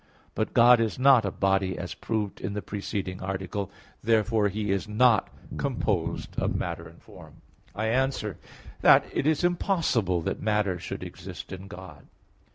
But God is not a body as proved in the preceding Article; therefore He is not composed of matter and form. I answer that, It is impossible that matter should exist in God.